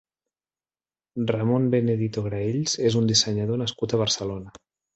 Ramón Benedito Graells és un dissenyador nascut a Barcelona.